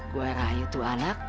gue rayu tu anak